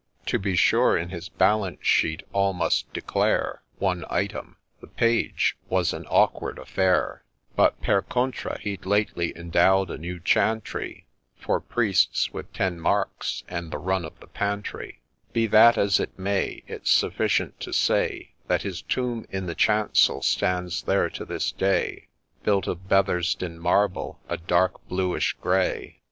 To be sure in his balance sheet all must declare One item — the Page, — was an awkward affair ; But per contra, he'd lately endow'd a new Chantry For Priests, with ten marks, and the run of the pantry Be that as it may, It 's sufficient to say That his tomb in the chancel stands there to this day, Built of Bethersden marble — a dark bluish grey.